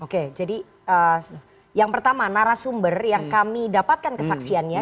oke jadi yang pertama narasumber yang kami dapatkan kesaksiannya